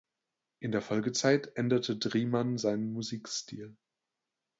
In der Folgezeit änderte Drieman seinen Musikstil.